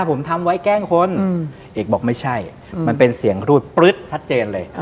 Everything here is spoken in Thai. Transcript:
ผมทำไว้แกล้งคนเอกบอกไม่ใช่มันเป็นเสียงรูดปลึ๊ดชัดเจนเลย